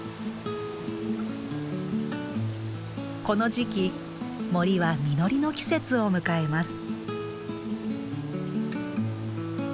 この時期森は実りの季節を迎えます。